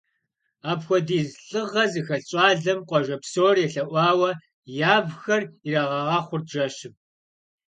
Апхуэдиз лӏыгъэ зыхэлъ щӏалэм къуажэ псор елъэӏуауэ явхэр ирагъэгъэхъурт жэщым.